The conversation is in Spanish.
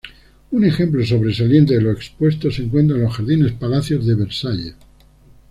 Un ejemplo sobresaliente de lo expuesto se encuentra en los jardines Palacio de Versalles.